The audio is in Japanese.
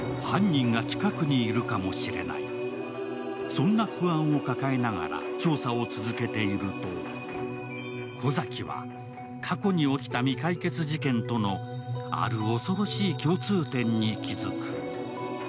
そんな不安を抱えながら調査を続けていると小崎は過去に起きた未解決事件とのある恐ろしい共通点に気づく。